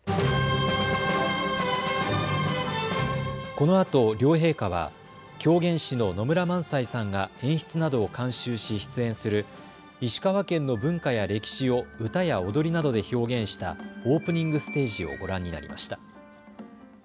このあと両陛下は狂言師の野村萬斎さんが演出などを監修し出演する石川県の文化や歴史を歌や踊りなどで表現したオープニングステージをご覧になりました。